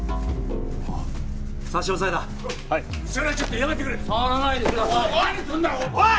おお差し押さえだはいそれはちょっとやめてくれ触らないでください